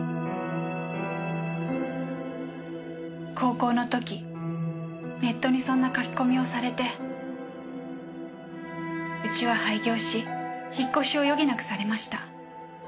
高校の時ネットにそんな書き込みをされてうちは廃業し引っ越しを余儀なくされました。